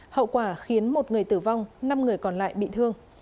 hậu quả khiến một người tử vong năm người còn lại bị thương